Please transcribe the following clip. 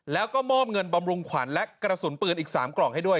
แล้วก็มอบเงินบำรุงขวัญและกระสุนปืนอีก๓กล่องให้ด้วย